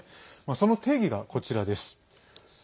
その定義がこちらです。